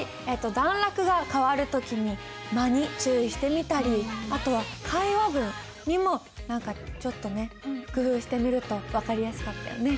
段落が変わる時に間に注意してみたりあとは会話文にも何かちょっとね工夫してみると分かりやすかったよね。